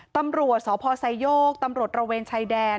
ตำรวจสพไซโยกตำรวจระเวนชายแดน